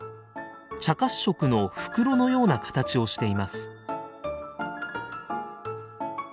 茶褐色の袋のような形をしています。